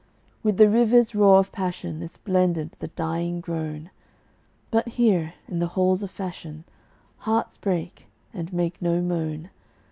With the river's roar of passion Is blended the dying groan; But here, in the halls of fashion, Hearts break, and make no moan.